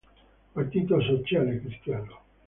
Partito Sociale Cristiano